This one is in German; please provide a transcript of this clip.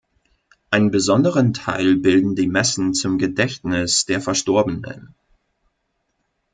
Einen besonderen Teil bilden die Messen zum Gedächtnis der Verstorbenen.